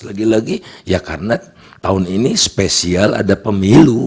lagi lagi ya karena tahun ini spesial ada pemilu